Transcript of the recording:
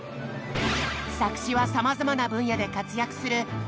作詞はさまざまな分野で活躍する劇団ひとりさん。